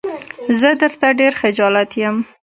زه درته ډېر خجالت يم.